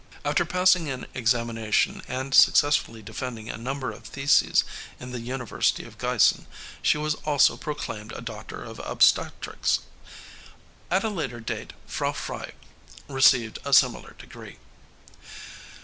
After passing an examination and successfully defending a number of theses in the University of Giessen, she was also proclaimed a doctor of obstetrics. At a later date Frau Frei received a similar degree.